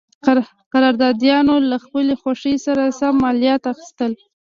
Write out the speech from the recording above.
قراردادیانو له خپلې خوښې سره سم مالیات اخیستل.